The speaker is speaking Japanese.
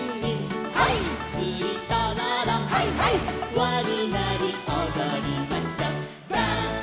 「わになりおどりましょう」